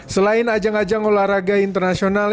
selain ajang ajang olahraga internasional